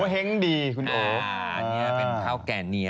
อันนี้เป็นเท้าแก่เนีย